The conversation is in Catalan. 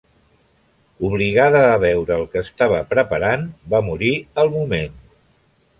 Obligada a beure el que estava preparant, va morir al moment.